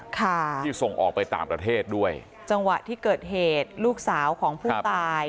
ค่ะที่ส่งออกไปต่างประเทศด้วยจังหวะที่เกิดเหตุลูกสาวของผู้ตาย